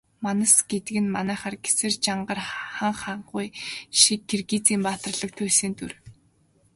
Манас гэдэг нь манайхаар Гэсэр, Жангар, Хан Харангуй шиг Киргизстаны баатарлаг туульсын дүр.